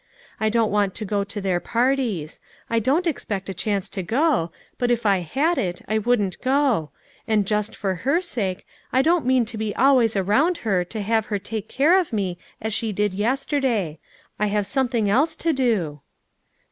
I don't want to go to their parties ; I don't expect a chance to go, but if I had it, I wouldn't go ; and just for her sake, I don't mean to be always around for her to have A SATISFACTORY EVENING. 331 to take care of me as she did yesterday. I have something else to do."